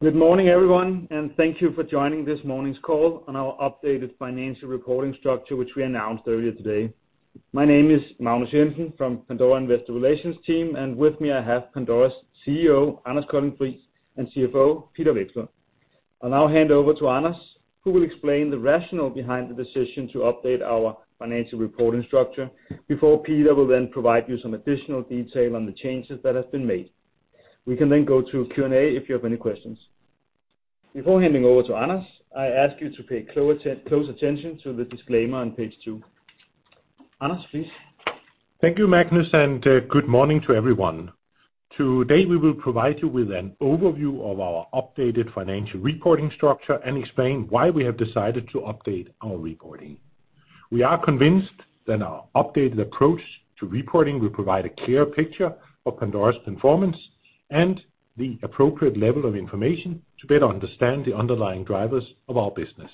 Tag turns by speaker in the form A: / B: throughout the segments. A: Good morning, everyone, and thank you for joining this morning's call on our updated financial reporting structure, which we announced earlier today. My name is Magnus Jensen from Pandora Investor Relations team, and with me, I have Pandora's CEO, Anders Colding Friis, and CFO, Peter Vekslund. I'll now hand over to Anders, who will explain the rationale behind the decision to update our financial reporting structure, before Peter will then provide you some additional detail on the changes that have been made. We can then go to Q&A if you have any questions. Before handing over to Anders, I ask you to pay close attention to the disclaimer on page two. Anders, please.
B: Thank you, Magnus, and good morning to everyone. Today, we will provide you with an overview of our updated financial reporting structure and explain why we have decided to update our reporting. We are convinced that our updated approach to reporting will provide a clearer picture of Pandora's performance and the appropriate level of information to better understand the underlying drivers of our business.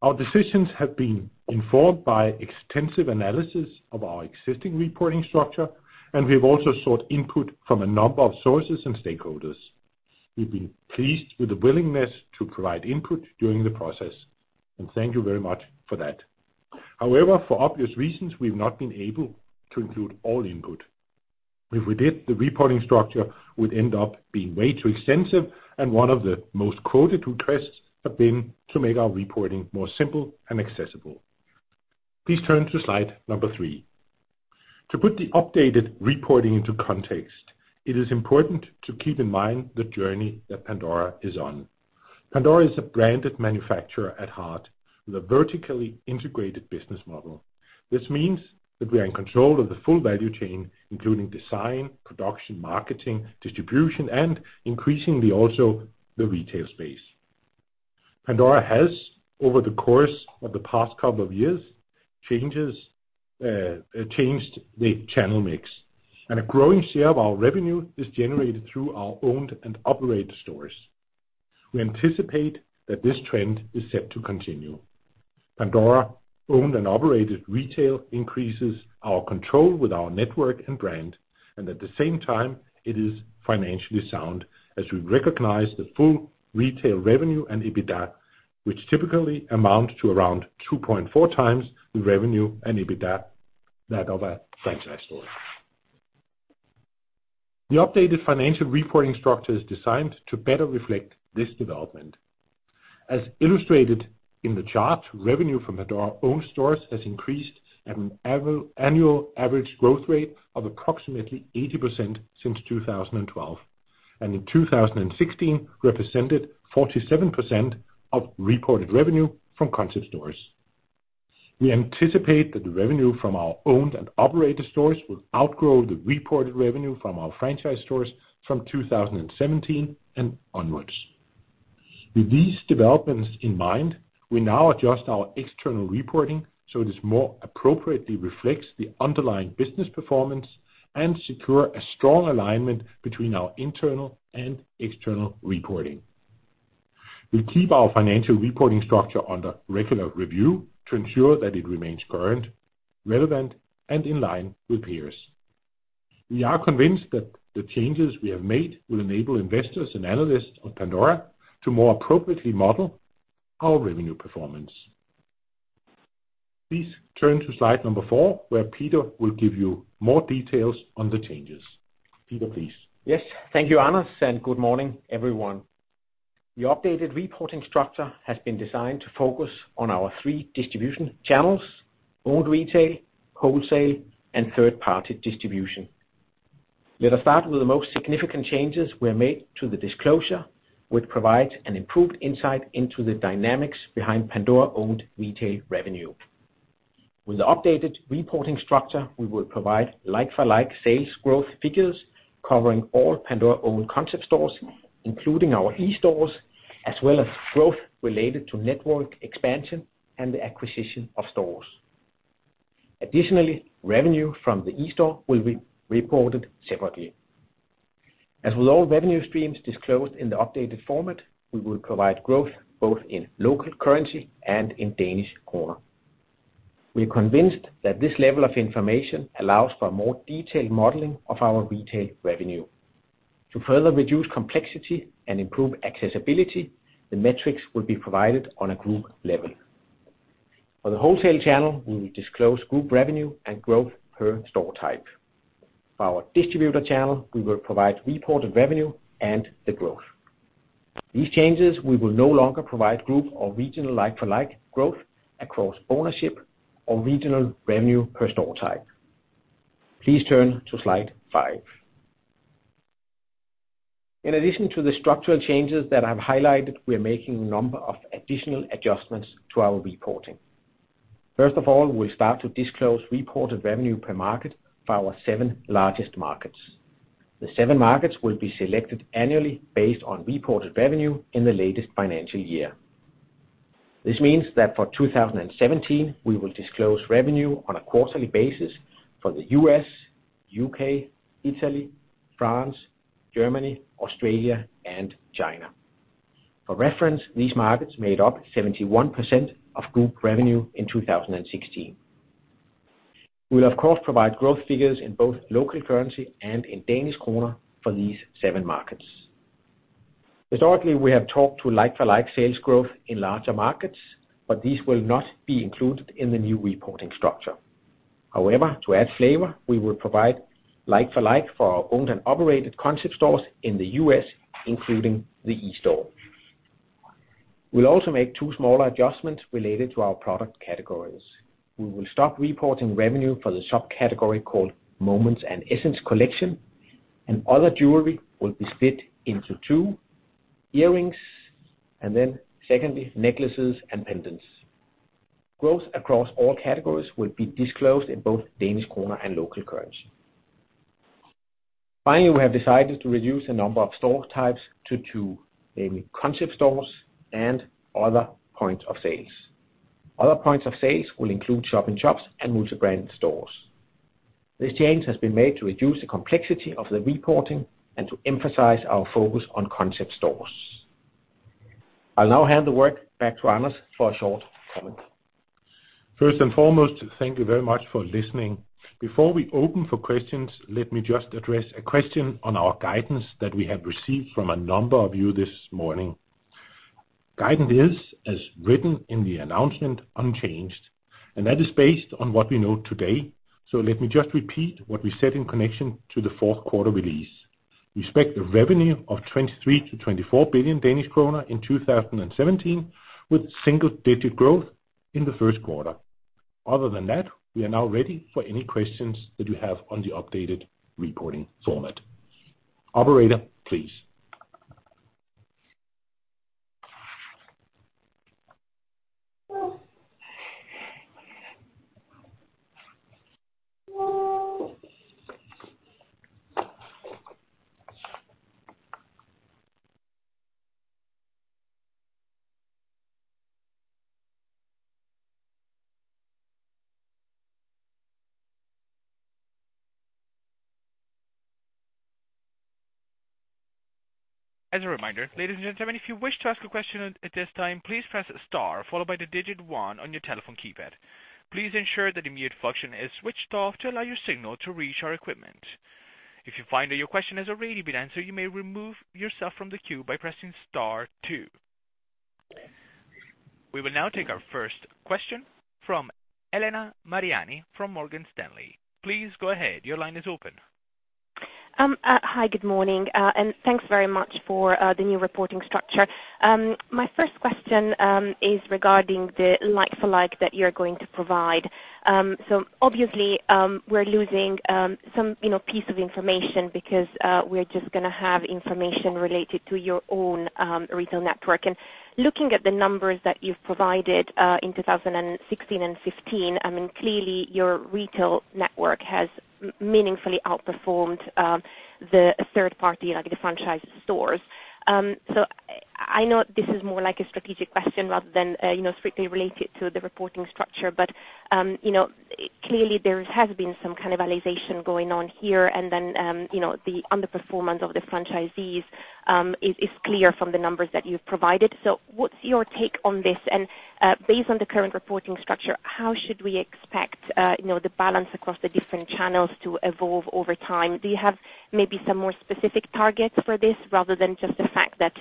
B: Our decisions have been informed by extensive analysis of our existing reporting structure, and we've also sought input from a number of sources and stakeholders. We've been pleased with the willingness to provide input during the process, and thank you very much for that. However, for obvious reasons, we've not been able to include all input. If we did, the reporting structure would end up being way too extensive, and one of the most quoted requests have been to make our reporting more simple and accessible. Please turn to slide number three. To put the updated reporting into context, it is important to keep in mind the journey that Pandora is on. Pandora is a branded manufacturer at heart with a vertically integrated business model. This means that we are in control of the full value chain, including design, production, marketing, distribution, and increasingly, also, the retail space. Pandora has, over the course of the past couple of years, changed the channel mix, and a growing share of our revenue is generated through our owned and operated stores. We anticipate that this trend is set to continue. Pandora owned and operated retail increases our control with our network and brand, and at the same time, it is financially sound as we recognize the full retail revenue and EBITDA, which typically amount to around 2.4 times the revenue and EBITDA that of a franchise store. The updated financial reporting structure is designed to better reflect this development. As illustrated in the chart, revenue from Pandora-owned stores has increased at an annual average growth rate of approximately 80% since 2012, and in 2016, represented 47% of reported revenue from concept stores. We anticipate that the revenue from our owned and operated stores will outgrow the reported revenue from our franchise stores from 2017 and onwards. With these developments in mind, we now adjust our external reporting, so it is more appropriately reflects the underlying business performance and secure a strong alignment between our internal and external reporting. We keep our financial reporting structure under regular review to ensure that it remains current, relevant, and in line with peers. We are convinced that the changes we have made will enable investors and analysts of Pandora to more appropriately model our revenue performance. Please turn to slide number 4, where Peter will give you more details on the changes. Peter, please.
C: Yes, thank you, Anders, and good morning, everyone. The updated reporting structure has been designed to focus on our three distribution channels: owned retail, wholesale, and third-party distribution. Let us start with the most significant changes we have made to the disclosure, which provides an improved insight into the dynamics behind Pandora-owned retail revenue. With the updated reporting structure, we will provide like-for-like sales growth figures covering all Pandora-owned concept stores, including our e-stores, as well as growth related to network expansion and the acquisition of stores. Additionally, revenue from the e-store will be reported separately. As with all revenue streams disclosed in the updated format, we will provide growth both in local currency and in Danish kroner. We are convinced that this level of information allows for more detailed modeling of our retail revenue. To further reduce complexity and improve accessibility, the metrics will be provided on a group level. For the wholesale channel, we will disclose group revenue and growth per store type. For our distributor channel, we will provide reported revenue and the growth. These changes, we will no longer provide group or regional like-for-like growth across ownership or regional revenue per store type. Please turn to slide 5. In addition to the structural changes that I've highlighted, we're making a number of additional adjustments to our reporting. First of all, we'll start to disclose reported revenue per market for our seven largest markets. The seven markets will be selected annually based on reported revenue in the latest financial year. This means that for 2017, we will disclose revenue on a quarterly basis for the U.S., U.K., Italy, France, Germany, Australia, and China. For reference, these markets made up 71% of group revenue in 2016.... We'll of course provide growth figures in both local currency and in Danish kroner for these 7 markets. Historically, we have talked to like-for-like sales growth in larger markets, but these will not be included in the new reporting structure. However, to add flavor, we will provide like-for-like for our owned and operated concept stores in the U.S., including the e-store. We'll also make 2 smaller adjustments related to our product categories. We will stop reporting revenue for the subcategory called Moments and Essence Collection, and other jewelry will be split into 2, earrings, and then secondly, necklaces and pendants. Growth across all categories will be disclosed in both Danish kroner and local currency. Finally, we have decided to reduce the number of store types to 2, namely concept stores and other points of sales. Other points of sales will include shop-in-shops and multi-brand stores. This change has been made to reduce the complexity of the reporting and to emphasize our focus on concept stores. I'll now hand the work back to Anders for a short comment.
B: First and foremost, thank you very much for listening. Before we open for questions, let me just address a question on our guidance that we have received from a number of you this morning. Guidance is, as written in the announcement, unchanged, and that is based on what we know today. So let me just repeat what we said in connection to the 4Q release. We expect revenue of 23 billion-24 billion Danish kroner in 2017, with single-digit growth in the 1Q. Other than that, we are now ready for any questions that you have on the updated reporting format. Operator, please.
D: As a reminder, ladies and gentlemen, if you wish to ask a question at this time, please press star followed by the digit one on your telephone keypad. Please ensure that the mute function is switched off to allow your signal to reach our equipment. If you find that your question has already been answered, you may remove yourself from the queue by pressing star two. We will now take our first question from Elena Mariani from Morgan Stanley. Please go ahead. Your line is open.
E: Hi, good morning, and thanks very much for the new reporting structure. My first question is regarding the like-for-like that you're going to provide. So obviously, we're losing some, you know, piece of information because we're just gonna have information related to your own retail network. And looking at the numbers that you've provided in 2016 and 2015, I mean, clearly, your retail network has meaningfully outperformed the third party, like the franchise stores. So I know this is more like a strategic question rather than, you know, strictly related to the reporting structure. But you know, clearly there has been some kind of valuation going on here, and then, you know, the underperformance of the franchisees is clear from the numbers that you've provided. So what's your take on this? And, based on the current reporting structure, how should we expect, you know, the balance across the different channels to evolve over time? Do you have maybe some more specific targets for this rather than just the fact that,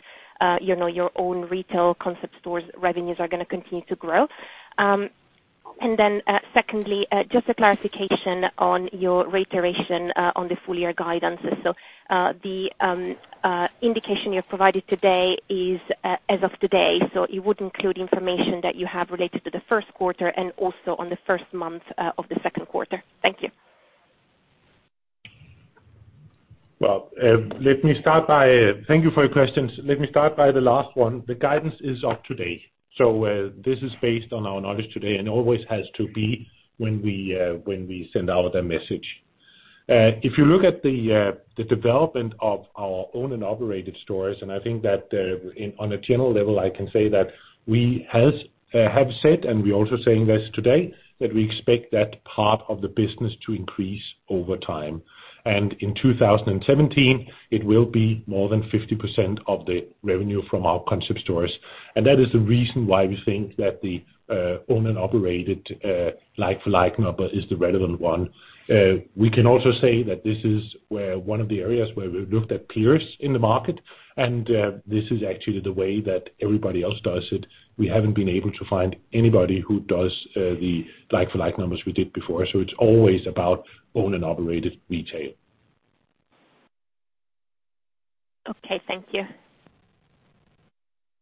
E: you know, your own retail concept stores' revenues are gonna continue to grow? And then, secondly, just a clarification on your reiteration, on the full year guidance. So, the indication you have provided today is, as of today, so it would include information that you have related to the 1Q and also on the first month, of the second quarter. Thank you.
B: Well, thank you for your questions. Let me start by the last one. The guidance is of today, so this is based on our knowledge today and always has to be when we send out a message. If you look at the development of our owned and operated stores, and I think that on a general level, I can say that we have said, and we're also saying this today, that we expect that part of the business to increase over time. And in 2017, it will be more than 50% of the revenue from our concept stores, and that is the reason why we think that the owned and operated like-for-like number is the relevant one. We can also say that this is where one of the areas where we've looked at peers in the market, and this is actually the way that everybody else does it. We haven't been able to find anybody who does the like-for-like numbers we did before, so it's always about owned and operated retail.
E: Okay. Thank you.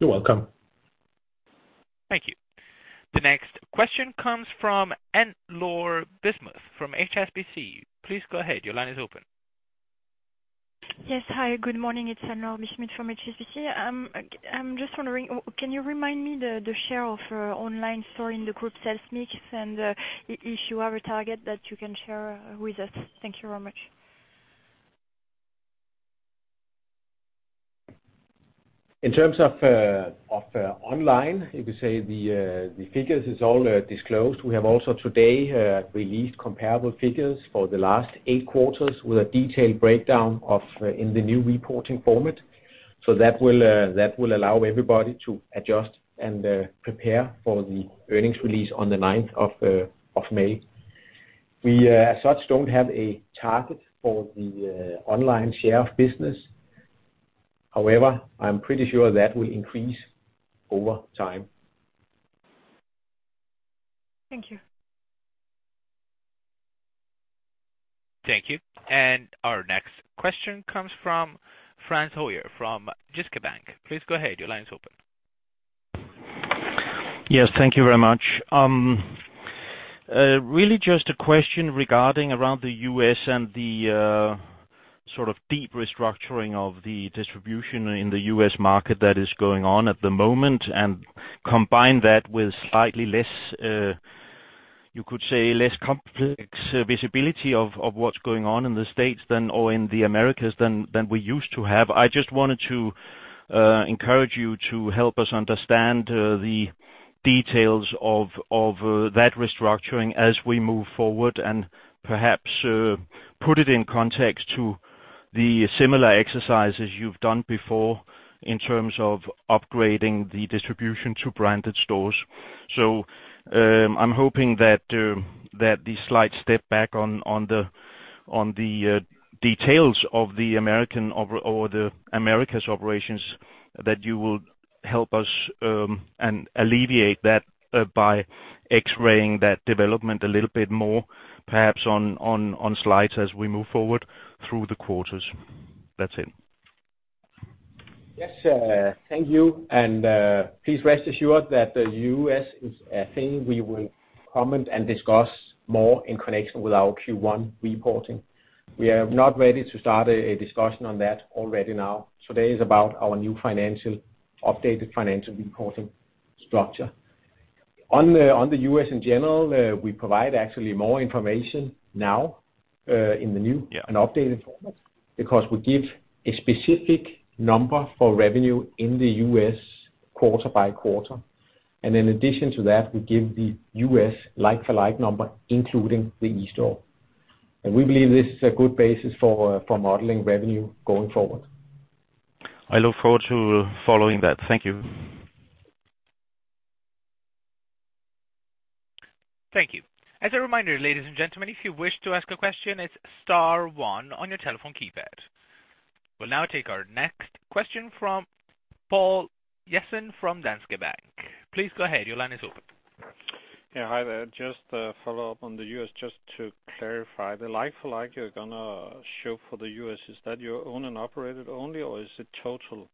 B: You're welcome.
D: Thank you. The next question comes from Anne-Laure Bismuth from HSBC. Please go ahead. Your line is open.
F: Yes. Hi, good morning. It's Anne-Laure Bismuth from HSBC. I'm just wondering, can you remind me the share of online store in the group sales mix and, if you have a target that you can share with us? Thank you very much.
B: In terms of online, you could say the figures is all disclosed. We have also today released comparable figures for the last eight quarters with a detailed breakdown in the new reporting format. So that will allow everybody to adjust and prepare for the earnings release on the ninth of May.... We, as such, don't have a target for the online share of business. However, I'm pretty sure that will increase over time.
F: Thank you.
D: Thank you. Our next question comes from Frans Høyer from Jyske Bank. Please go ahead, your line is open.
G: Yes, thank you very much. Really just a question regarding around the U.S. and the sort of deep restructuring of the distribution in the U.S. market that is going on at the moment, and combine that with slightly less, you could say, less complex visibility of what's going on in the States than, or in the Americas than we used to have. I just wanted to encourage you to help us understand the details of that restructuring as we move forward, and perhaps put it in context to the similar exercises you've done before in terms of upgrading the distribution to branded stores. So, I'm hoping that the slight step back on the details of the American or the Americas operations, that you will help us and alleviate that by X-raying that development a little bit more, perhaps on slides as we move forward through the quarters. That's it.
C: Yes, thank you, and please rest assured that the U.S. is a thing we will comment and discuss more in connection with our Q1 reporting. We are not ready to start a discussion on that already now. Today is about our updated financial reporting structure. On the U.S. in general, we provide actually more information now, in the new-
G: Yeah
C: and updated format, because we give a specific number for revenue in the U.S. quarter by quarter. And in addition to that, we give the U.S. like-for-like number, including the eStore. And we believe this is a good basis for modeling revenue going forward.
G: I look forward to following that. Thank you.
D: Thank you. As a reminder, ladies and gentlemen, if you wish to ask a question, it's star one on your telephone keypad. We'll now take our next question from Poul Jessen from Danske Bank. Please go ahead, your line is open.
H: Yeah, hi there. Just a follow-up on the U.S., just to clarify, the Like-for-like you're gonna show for the U.S., is that your owned and operated only, or is it total U.S.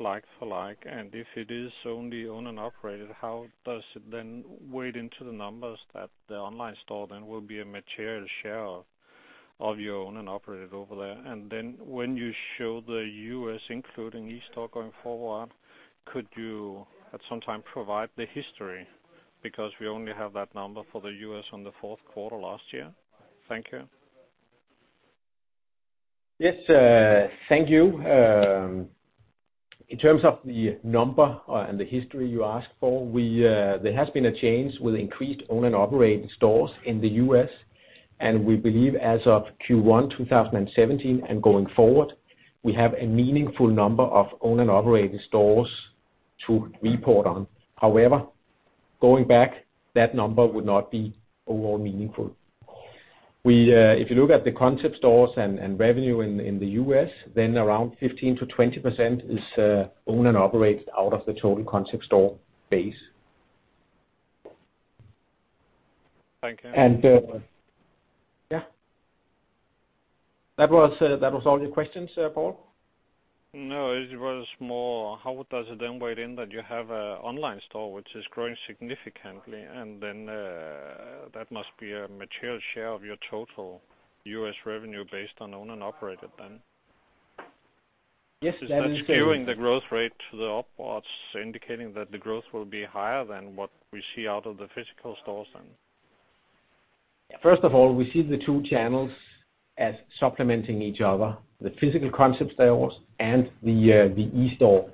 H: Like-for-like? And if it is only owned and operated, how does it then weigh into the numbers that the online store then will be a material share of, of your owned and operated over there? And then when you show the U.S. including eStore going forward, could you at some time provide the history? Because we only have that number for the U.S. on the 4Q last year. Thank you.
C: Yes, thank you. In terms of the number, and the history you asked for, we, there has been a change with increased owned and operated stores in the U.S., and we believe as of Q1 2017 and going forward, we have a meaningful number of owned and operated stores to report on. However, going back, that number would not be overall meaningful. We, if you look at the concept stores and revenue in the U.S., then around 15%-20% is, owned and operated out of the total Concept Store base.
H: Thank you.
C: Yeah? That was all your questions, Paul?
H: No, it was more how does it then weigh in that you have an online store which is growing significantly, and then that must be a material share of your total U.S. revenue based on owned and operated then?
C: Yes, that is-
H: Skewing the growth rate to the upwards, indicating that the growth will be higher than what we see out of the physical stores then.
C: First of all, we see the two channels as supplementing each other, the physical concept stores and the eStore.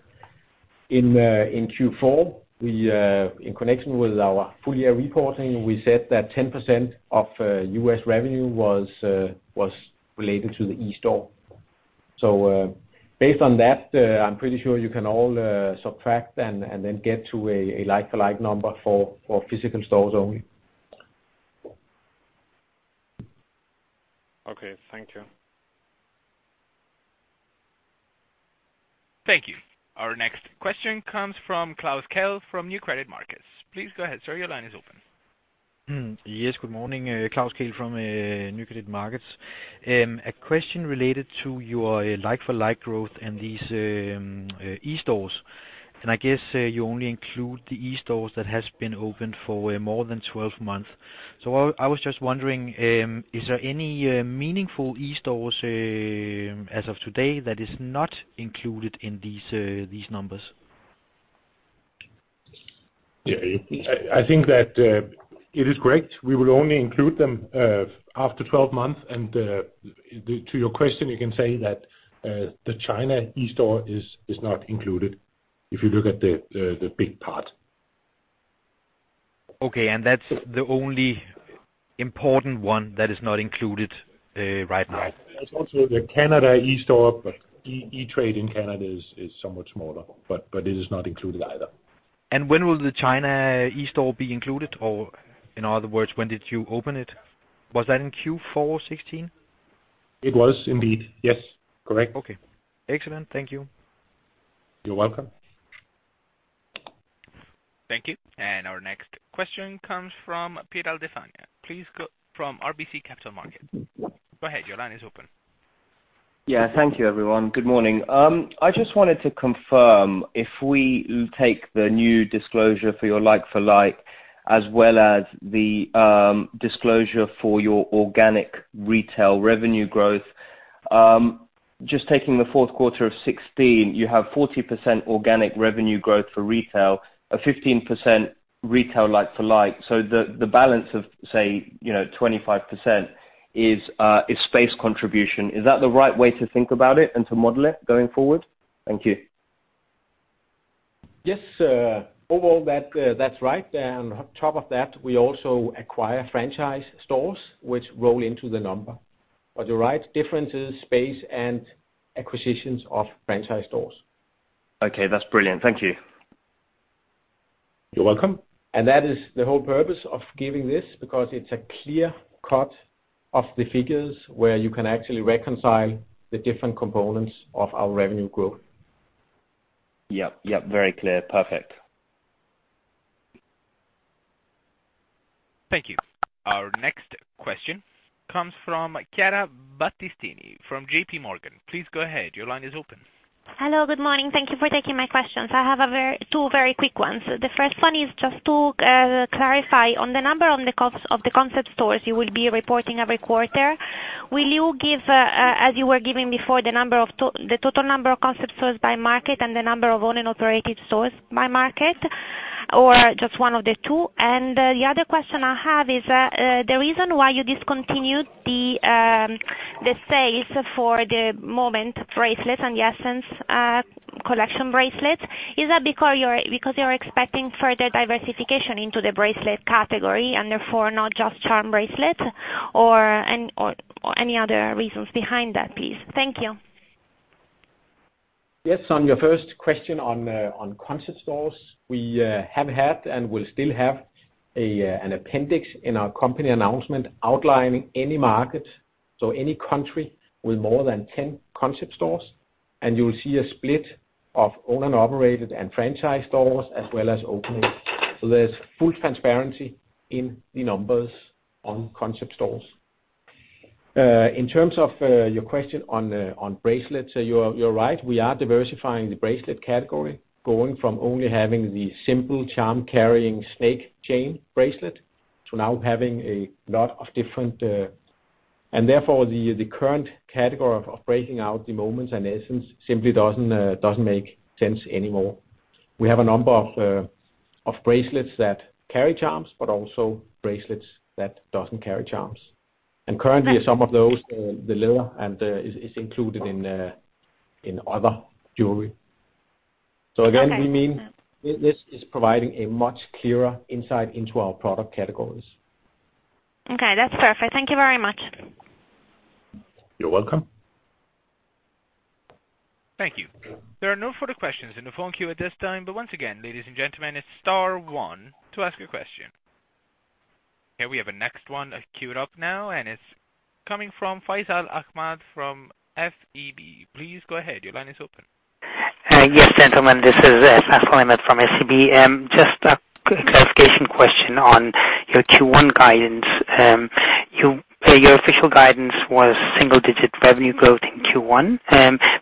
C: In Q4, we in connection with our full-year reporting, we said that 10% of U.S. revenue was related to the eStore. So, based on that, I'm pretty sure you can all subtract and then get to a like-for-like number for physical stores only.
H: Okay. Thank you.
D: Thank you. Our next question comes from Klaus Kehl from Nykredit Markets. Please go ahead, sir, your line is open.
I: Hmm. Yes, good morning. Klaus Kehl from Nykredit Markets. A question related to your like-for-like growth and these eStores, and I guess you only include the eStores that has been opened for more than 12 months. So I, I was just wondering, is there any meaningful eStores as of today that is not included in these these numbers?
C: Yeah, I think that it is correct. We will only include them after 12 months. To your question, you can say that the China eStore is not included, if you look at the big part.
I: Okay, and that's the only important one that is not included, right now?
C: Right. There's also the Canada eStore, but eStore in Canada is somewhat smaller, but it is not included either.
I: ...When will the China eStore be included? Or in other words, when did you open it? Was that in Q4 2016?
C: It was indeed. Yes, correct.
I: Okay, excellent. Thank you.
C: You're welcome.
D: Thank you. Our next question comes from Piral Dadhania from RBC Capital Markets. Please go ahead, your line is open.
J: Yeah, thank you, everyone. Good morning. I just wanted to confirm if we take the new disclosure for your like-for-like, as well as the, disclosure for your organic retail revenue growth. Just taking the 4Q of 2016, you have 40% organic revenue growth for retail, a 15% retail like-for-like. So the, the balance of say, you know, 25% is, is space contribution. Is that the right way to think about it and to model it going forward? Thank you.
C: Yes, overall, that's right. And on top of that, we also acquire franchise stores which roll into the number. But the right difference is space and acquisitions of franchise stores.
J: Okay, that's brilliant. Thank you.
C: You're welcome. That is the whole purpose of giving this, because it's a clear cut of the figures where you can actually reconcile the different components of our revenue growth.
J: Yep, yep, very clear. Perfect.
D: Thank you. Our next question comes from Chiara Battistini from JPMorgan. Please go ahead. Your line is open.
K: Hello, good morning. Thank you for taking my questions. I have two very quick ones. The first one is just to clarify on the number on the cost of the concept stores you will be reporting every quarter. Will you give, as you were giving before, the number of the total number of concept stores by market and the number of owned and operated stores by market, or just one of the two? And the other question I have is the reason why you discontinued the sales for the Moments bracelets and the ESSENCE collection bracelets. Is that because you're expecting further diversification into the bracelet category, and therefore, not just charm bracelets? Or any other reasons behind that, please? Thank you.
C: Yes, on your first question on concept stores, we have had and will still have an appendix in our company announcement outlining any market, so any country with more than 10 concept stores, and you will see a split of owned and operated and franchise stores, as well as openings. So there's full transparency in the numbers on concept stores. In terms of your question on the bracelets, you're right, we are diversifying the bracelet category, going from only having the simple charm carrying snake chain bracelet to now having a lot of different... And therefore, the current category of breaking out the Moments and Essence simply doesn't make sense anymore. We have a number of bracelets that carry charms, but also bracelets that doesn't carry charms. Currently, some of those deliver and is included in other jewelry.
K: Okay.
C: So again, we mean this, this is providing a much clearer insight into our product categories.
K: Okay, that's perfect. Thank you very much.
C: You're welcome.
D: Thank you. There are no further questions in the phone queue at this time, but once again, ladies and gentlemen, it's star one to ask a question. Okay, we have a next one queued up now, and it's coming from Faisal Ahmad from SEB. Please go ahead. Your line is open.
L: Yes, gentlemen, this is Faisal Ahmad from SEB. Just a quick clarification question on your Q1 guidance. You, your official guidance was single digit revenue growth in Q1,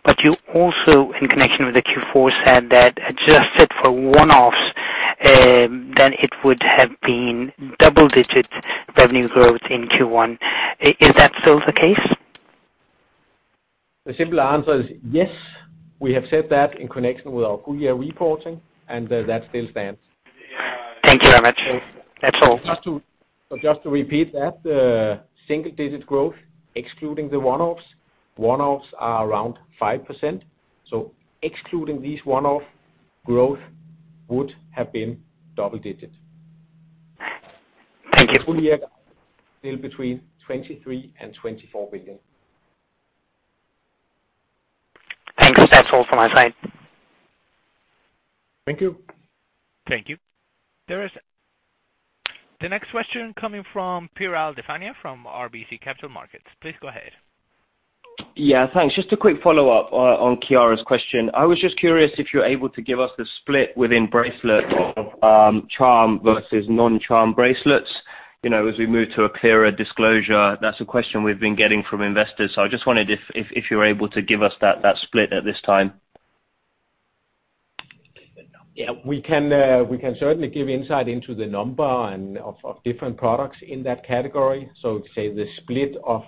L: but you also, in connection with the Q4, said that adjusted for one-offs, then it would have been double digit revenue growth in Q1. Is that still the case?
C: The simple answer is yes. We have said that in connection with our full year reporting, and that still stands.
L: Thank you very much. That's all.
C: Just to, so just to repeat that, single digit growth, excluding the one-offs, one-offs are around 5%. So excluding these one-off, growth would have been double digit.
L: Thank you.
C: Full year, still between 23 billion and 24 billion.
L: Thanks. That's all from my side.
C: Thank you.
D: Thank you. There is... The next question coming from Piral Dadhania from RBC Capital Markets. Please go ahead.
J: Yeah, thanks. Just a quick follow-up on Chiara's question. I was just curious if you're able to give us a split within bracelet of charm versus non-charm bracelets. You know, as we move to a clearer disclosure, that's a question we've been getting from investors. So I just wondered if you're able to give us that split at this time.
C: Yeah, we can certainly give insight into the number of different products in that category. So, say, the split of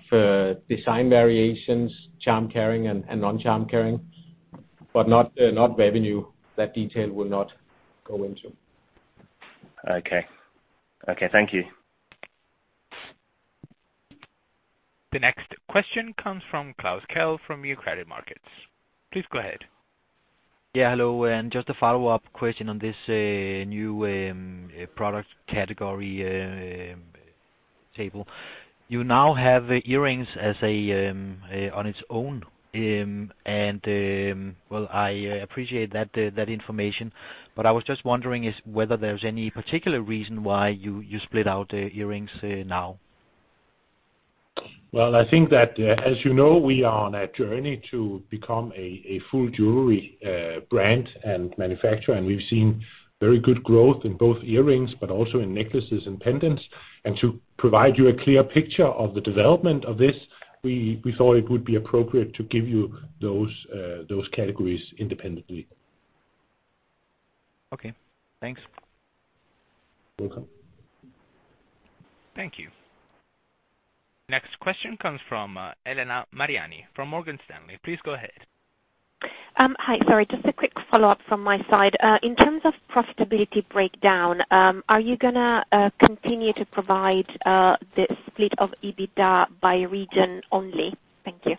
C: design variations, charm carrying and non-charm carrying, but not revenue. That detail will not go into.
J: Okay. Okay, thank you.
D: The next question comes from Klaus Kehl, from Nykredit Markets. Please go ahead.
I: Yeah, hello, and just a follow-up question on this new product category table. You now have earrings as a on its own, and well, I appreciate that that information, but I was just wondering is whether there's any particular reason why you you split out the earrings now?
C: Well, I think that, as you know, we are on a journey to become a full jewelry brand and manufacturer, and we've seen very good growth in both earrings but also in necklaces and pendants. To provide you a clear picture of the development of this, we thought it would be appropriate to give you those categories independently.
I: Okay, thanks.
C: Welcome.
D: Thank you. Next question comes from Elena Mariani, from Morgan Stanley. Please go ahead.
E: Hi. Sorry, just a quick follow-up from my side. In terms of profitability breakdown, are you gonna continue to provide the split of EBITDA by region only? Thank you.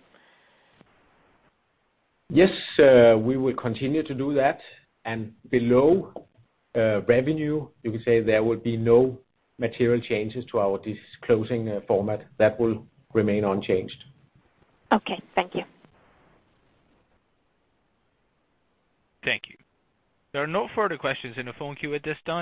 C: Yes, we will continue to do that. And below revenue, you can say there will be no material changes to our disclosing format. That will remain unchanged.
E: Okay, thank you.
D: Thank you. There are no further questions in the phone queue at this time.